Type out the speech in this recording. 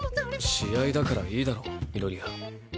試合だからいいだろ緑谷。